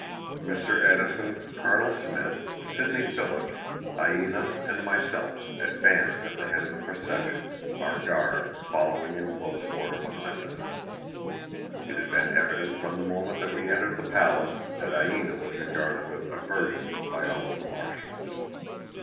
Mr. Edison, Colonel Smith, Sidney Phillips, Aina and myself advanced at the head of the procession, our guard following in close order behind us. It had been evident from the moment that we entered the palace that Aina was regarded with aversion by all of the Martians.